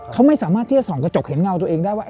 เขาไม่สามารถที่จะส่องกระจกเห็นเงาตัวเองได้ว่า